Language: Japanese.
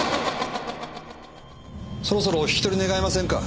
そろそろお引き取り願えませんか。